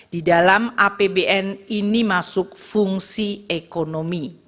di dalam apbn ini masuk fungsi ekonomi